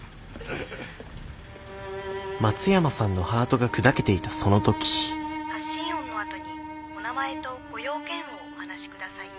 松山さんのハートが砕けていたその時「発信音のあとにお名前とご用件をお話し下さい」。